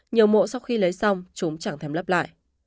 nhiều mộ sau khi lấy xong chúng chẳng thèm lấp lại